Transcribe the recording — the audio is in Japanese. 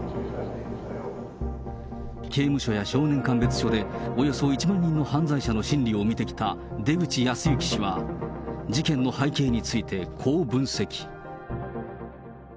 刑務所や少年鑑別所でおよそ１万人の犯罪者の心理を見てきた出口保行氏は、事件の背景について、こう分析。